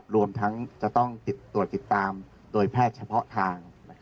รวมทั้งจะต้องตรวจติดตามโดยแพทย์เฉพาะทาง